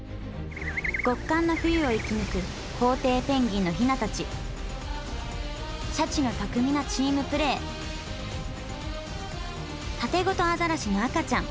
極寒の冬を生き抜くコウテイペンギンのヒナたちシャチの巧みなチームプレータテゴトアザラシの赤ちゃん。